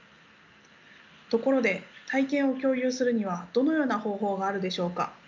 ところで体験を共有するにはどのような方法があるでしょうか。